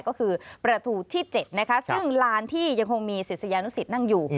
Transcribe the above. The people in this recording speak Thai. ก็คือประตูที่๗นะคะซึ่งลานที่ยังคงมีศิษยานุสิตนั่งอยู่